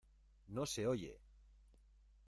¡No se oye!